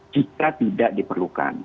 jika tidak diperlukan